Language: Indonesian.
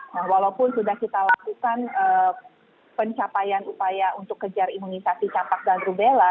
nah walaupun sudah kita lakukan pencapaian upaya untuk kejar imunisasi campak dan rubella